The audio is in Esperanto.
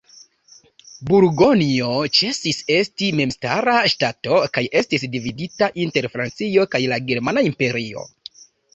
Burgonjo ĉesis esti memstara ŝtato kaj estis dividita inter Francio kaj la germana imperio.